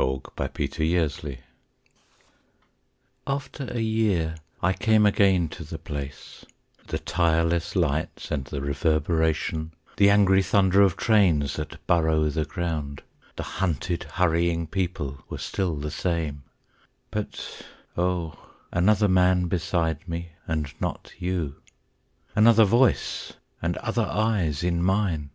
IN A SUBWAY STATION AFTER a year I came again to the place; The tireless lights and the reverberation, The angry thunder of trains that burrow the ground, The hunted, hurrying people were still the same But oh, another man beside me and not you! Another voice and other eyes in mine!